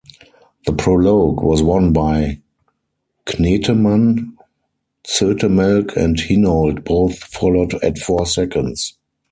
The prologue was won by Knetemann; Zoetemelk and Hinault both followed at four seconds.